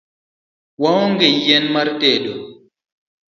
Waonge yien mar tedo